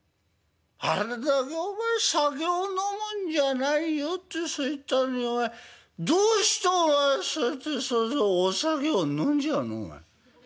あれだけお前『酒を飲むんじゃないよ』ってそう言ったのにお前どうしてお前そうやってそのお酒を飲んじゃうの？お前。